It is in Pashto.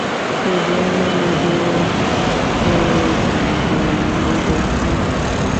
د دواړو جوړښت په روښانه ډول لیدل کېږي